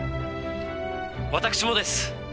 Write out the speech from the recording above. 私もです。